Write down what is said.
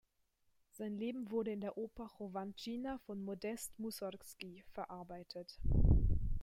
Sein Leben wurde in der Oper "Chowanschtschina" von Modest Mussorgski verarbeitet.